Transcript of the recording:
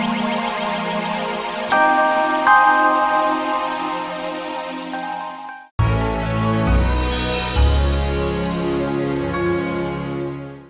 kita harus memberikan penghormatan kepada reva